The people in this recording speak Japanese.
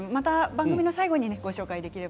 番組の最後にご紹介します。